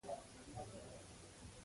متنفر او مردود ګڼلی.